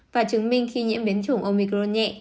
và chứng minh khi nhiễm biến chủng omicron nhẹ